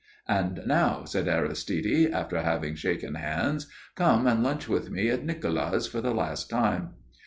"And now," said Aristide, after having shaken hands, "come and lunch with me at Nikola's for the last time."